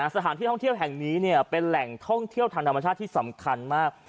สถานที่ท่องเที่ยวแห่งนี้เป็นแหล่งท่องเที่ยวทางธรรมชาติที่สำคัญมาก